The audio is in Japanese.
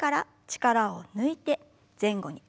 力を抜いて前後に。